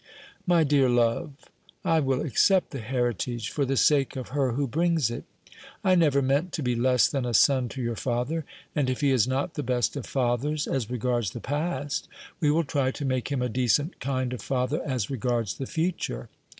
"My dear love, I will accept the heritage, for the sake of her who brings it. I never meant to be less than a son to your father; and if he is not the best of fathers, as regards the past, we will try to make him a decent kind of father as regards the future.